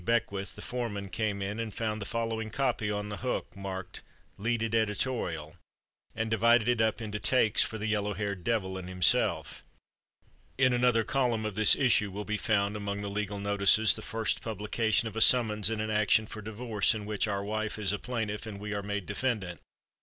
Beckwith, the foreman, came in, and found the following copy on the hook, marked "Leaded Editorial," and divided it up into "takes" for the yellow haired devil and himself: "In another column of this issue will be found, among the legal notices, the first publication of a summons in an action for divorce, in which our wife is plaintiff and we are made defendant.